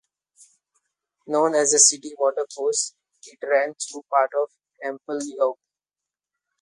Known as the "City Watercourse," it ran through part of Templeogue.